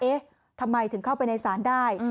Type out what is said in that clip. เอ๊ะทำไมถึงเข้าไปในศาลได้